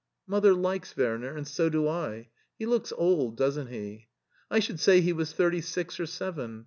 Mother likes Werner, and so do I. He looks old, doesn't he? I should say he was thirty six or seven.